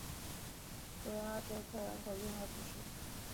博拉泽克人口变化图示